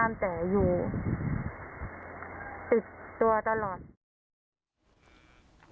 รถสูงใช้ไม่ได้